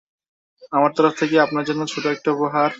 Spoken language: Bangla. আমার তরফ থেকে আপনার জন্য ছোট একটা উপহার।